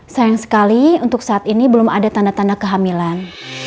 sayang sekali untuk saat ini belum ada tanda tanda kehamilan